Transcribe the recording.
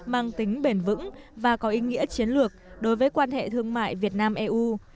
mang tính bền vững và có ý nghĩa chiến lược đối với quan hệ thương mại việt nam eu